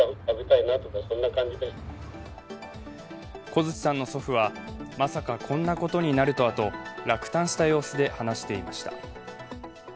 小槌さんの祖父は、まさかこんなことになるとはと落胆した様子で話していました。